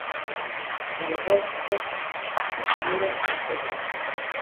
Para a réplica, a señora Uceira.